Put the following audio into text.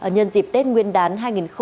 nhân dịp tết nguyên đán hai nghìn hai mươi